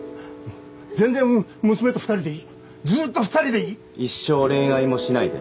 全然娘と２人でいいずーっと２人でいい一生恋愛もしないで？